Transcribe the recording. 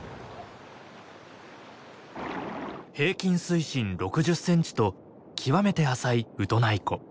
平均水深６０センチと極めて浅いウトナイ湖。